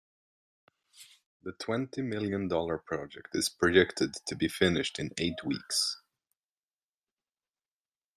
The twenty million dollar project is projected to be finished in eight weeks.